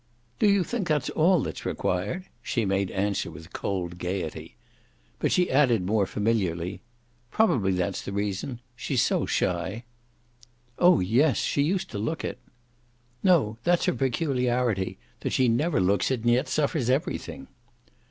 "Do you think that's all that's required?" she made answer with cold gaiety. But she added more familiarly: "Probably that's the reason. She's so shy." "Oh yes she used to look it." "No, that's her peculiarity, that she never looks it and yet suffers everything."